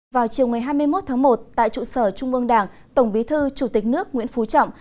vào chiều ngày hai mươi một tháng một tại trụ sở trung ương đảng tổng bí thư chủ tịch nước nguyễn phú trọng